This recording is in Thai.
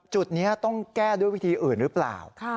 จุดนี้ต้องแก้ด้วยวิธีอื่นหรือเปล่า